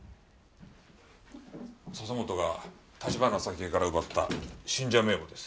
笹本が橘沙希江から奪った信者名簿です。